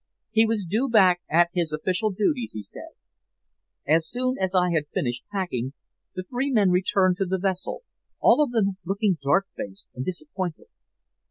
He was due back at his official duties, he said. As soon as I had finished packing, the three men returned to the vessel, all of them looking dark faced and disappointed.